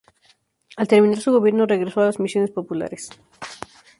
Al terminar su gobierno regresó a las misiones populares.